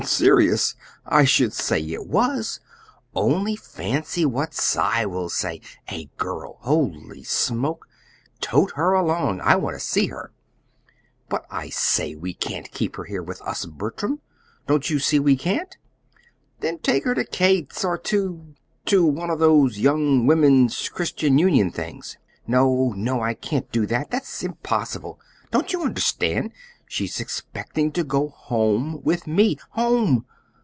"Serious! I should say it was! Only fancy what Cy will say! A girl! Holy smoke! Tote her along I want to see her!" "But I say we can't keep her there with us, Bertram. Don't you see we can't?" "Then take her to Kate's, or to to one of those Young Women's Christian Union things." "No, no, I can't do that. That's impossible. Don't you understand? She's expecting to go home with me HOME!